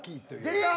出た！